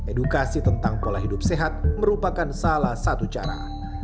edukasi tentang pola hidup sehat merupakan salah satu cara